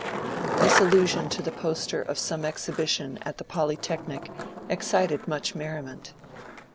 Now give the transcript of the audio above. This aUusion to the poster of some exhibition at the Polytechnic excited much merriment.